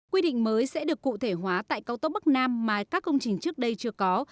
quy định mới sẽ được cụ thể hóa tại cao tốc bắc nam mà các công trình trước đây chưa có